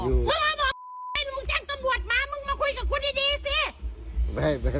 มึงมาบอกให้มึงแจ้งตำรวจมามึงมาคุยกับคุณดีสิ